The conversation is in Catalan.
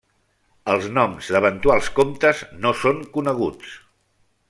Els noms d'eventuals comtes no són coneguts.